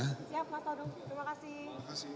siap mas todo terima kasih